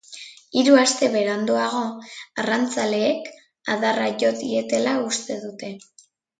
Hiru aste beranduago, arrantzaleek adarra jo dietela uste dute.